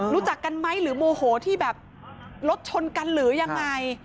รู้จักกันไหมหรือโมโหที่แบบรถชนกันหรือยังไง